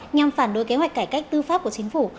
nhằm phản đối kế hoạch cải cách tư pháp của chính phủ